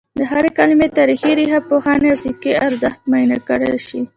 د هرې کلمې تاریخي، ریښه پوهني او سیاقي ارزښت معاینه کړل شي